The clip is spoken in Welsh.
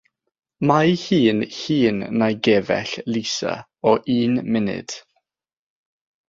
Mae hi'n hŷn na'i gefell, Lisa, o un munud.